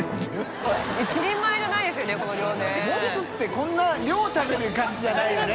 こんな量食べる感じじゃないよね。